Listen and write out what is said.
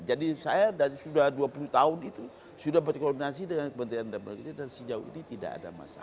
jadi saya sudah dua puluh tahun itu sudah berkoordinasi dengan kementerian dalam negeri dan sejauh ini tidak ada masalah